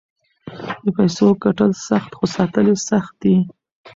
د پیسو ګټل سخت خو ساتل یې سخت دي.